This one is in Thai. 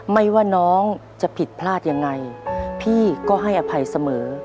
ไม่ว่าน้องจะผิดพลาดยังไงพี่ก็ให้อภัยเสมอ